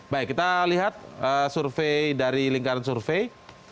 baik kita lihat survei dari lingkaran survei